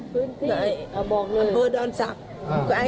พื้นที่อ่ะบอกเลย